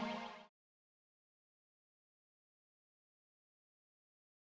dede akan ngelupain